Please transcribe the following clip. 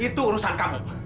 itu urusan kamu